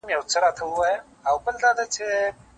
ښار به ډک وي له زلمیو له شملو او له بګړیو